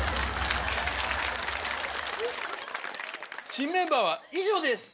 「新メンバーは以上です」。